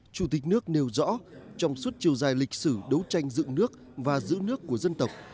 chủ tịch nước nêu rõ trong suốt chiều dài lịch sử đấu tranh dựng nước và giữ nước của dân tộc